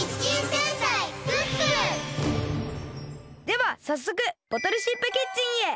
ではさっそくボトルシップキッチンへ。